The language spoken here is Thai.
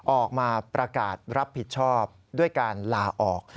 ออกมาประกาศรับผิดชอบด้วยการลาออก